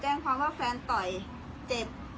แจ้งความว่าแฟนต่อยเจ็บ